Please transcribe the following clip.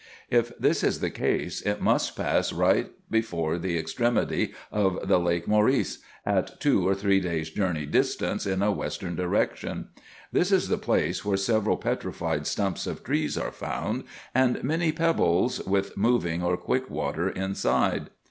If this is the case, it must pass right before the extremity of the Lake Mceris, at two or three days' journey distance, in a western direction. This is the place where several petrified stumps of trees are found, and many pebbles, with moving or quick water inside.